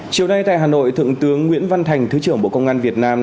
chiều nay tại hà nội thượng tướng nguyễn văn thành thứ trưởng bộ công an việt nam